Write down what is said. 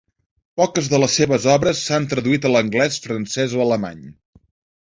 Poques de les seves obres s'han traduït a l'anglès, francès o alemany.